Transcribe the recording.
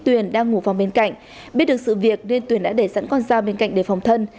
tuyền đang ngủ vào bên cạnh biết được sự việc nên tuyền đã để sẵn con ra bên cạnh để phòng thân